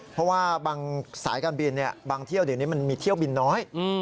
เพราะว่าบางสายการบินบางเที่ยวเดี๋ยวนี้มันมีเที่ยวบินน้อย